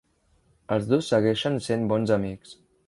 Els dos segueixen sent bons amics.